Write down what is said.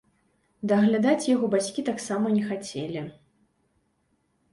Даглядаць яго бацькі таксама не хацелі.